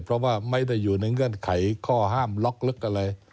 เพราะว่าไม่ได้อยู่ในเงื่อนไขข้อห้ามล็อกลึกอะไร